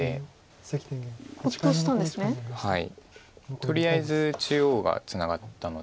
とりあえず中央がツナがったので。